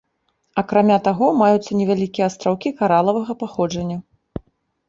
Акрамя таго, маюцца невялікія астраўкі каралавага паходжання.